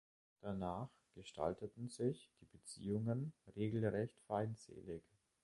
Danach gestalteten sich die Beziehungen regelrecht feindselig.